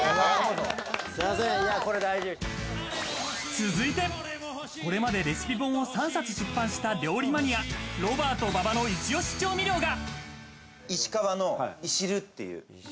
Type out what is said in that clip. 続いて、これまでレシピ本を３冊出版した料理マニア、ロバート・馬場のイチオシ調味料が。